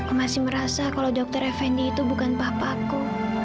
aku masih merasa kalau dokter effendi itu bukan papaku